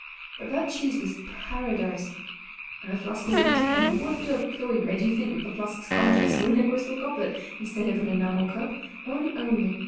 But that cheese was Paradise; and the flask was emptied, and a wood dove cooing made you think that the flask's contents were in a crystal goblet instead of an enamel cup ... one only